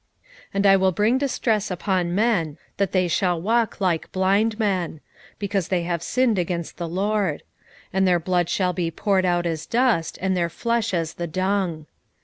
1:17 And I will bring distress upon men, that they shall walk like blind men, because they have sinned against the LORD: and their blood shall be poured out as dust, and their flesh as the dung.